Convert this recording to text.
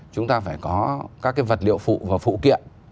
chúng ta phải có các cái vật liệu phụ và phụ kiện